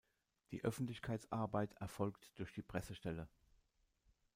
Die Öffentlichkeitsarbeit erfolgt durch die Pressestelle.